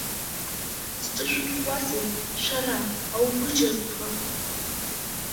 Зҿышәымҭуазеи, шәара, аубыџьырқәа?!